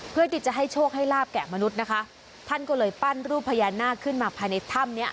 เพื่อที่จะให้โชคให้ลาบแก่มนุษย์นะคะท่านก็เลยปั้นรูปพญานาคขึ้นมาภายในถ้ำเนี้ย